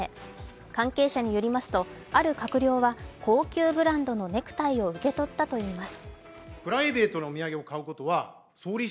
関係者によりますとある閣僚は高級ブランドのネクタイを受け取ったといいます。